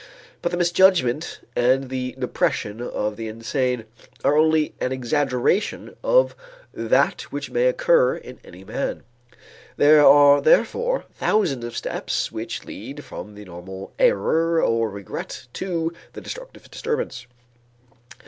But the misjudgment and the depression of the insane are only an exaggeration of that which may occur in any man. There are therefore thousands of steps which lead from the normal error or regret to the destructive disturbance.